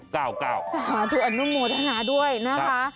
สาธุสาธุอนุโมทนาด้วยนะคะ